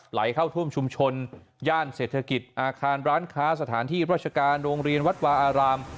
ไหลเข้าท่วมชุมชนย่านเศรษฐกิจอาคารร้านค้าสถานที่ราชการโรงเรียนวัดวาอาราม